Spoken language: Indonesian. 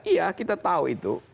iya kita tahu itu